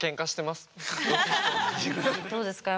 どうですか？